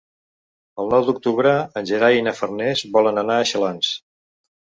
El nou d'octubre en Gerai i na Farners volen anar a Xalans.